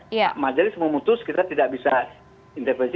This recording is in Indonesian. hak majlis memutus kita tidak bisa intervensi